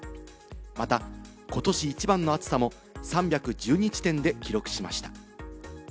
またことし一番の暑さも３１２地点で記録しました。